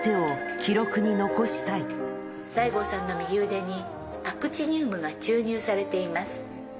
西郷さんの右腕に、アクチニウムが注入されています。